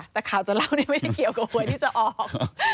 แต่ข่าวจะเล่านี่ไม่ได้เกี่ยวกับหวยที่จะออก